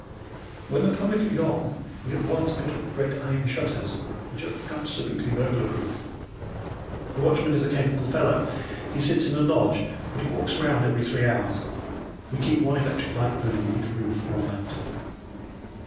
"When the public are gone, we at once put up the great iron shutters, which are absolutely burglar proof. The watchman is a capable fellow. He sits in the lodge, but he walks round every three hours. We keep one electric light burning in each room all night."